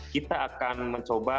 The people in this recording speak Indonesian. kita akan mencoba